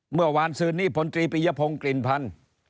เมื่อวานซื้อนี้ผลปียภงกลิ่นพรรณ